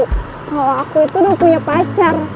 kalau aku itu udah punya pacar